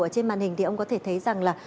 ở trên màn hình thì ông có thể thấy rằng là